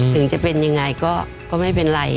ถึงจะเป็นยังไงก็ไม่เป็นไร